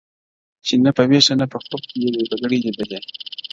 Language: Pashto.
چي نه په ویښه نه په خوب یې وي بګړۍ لیدلې!!